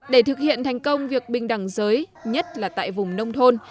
để thực hiện thành công việc bình đẳng giới nhất là tại vùng nông thôn